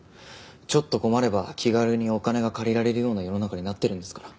ちょっと困れば気軽にお金が借りられるような世の中になってるんですから。